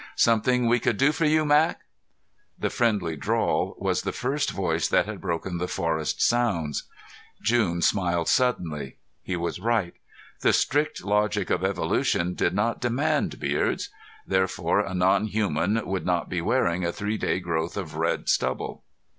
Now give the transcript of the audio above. "Something we could do for you, Mac?" The friendly drawl was the first voice that had broken the forest sounds. June smiled suddenly. He was right. The strict logic of evolution did not demand beards; therefore a non human would not be wearing a three day growth of red stubble.